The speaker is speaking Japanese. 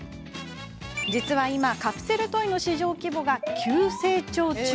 実は今カプセルトイの市場規模が急成長中。